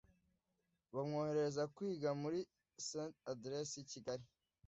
bamwohereza kwiga muri Saint Andres i Kigali